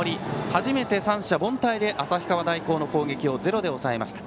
初めて三者凡退で旭川大高の攻撃をゼロで抑えました。